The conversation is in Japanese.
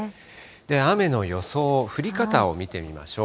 雨の予想、降り方を見てみましょう。